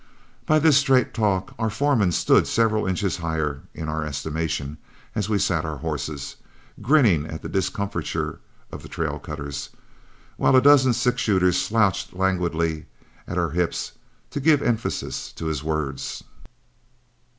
By his straight talk, our foreman stood several inches higher in our estimation as we sat our horses, grinning at the discomfiture of the trail cutters, while a dozen six shooters slouched languidly at our hips to give emphasis to his words.